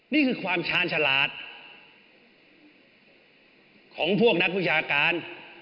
นี่คือความชาญฉลาดของพวกนักวิชาการ